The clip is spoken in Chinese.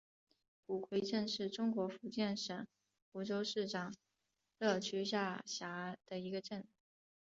古槐镇是中国福建省福州市长乐区下辖的一个镇。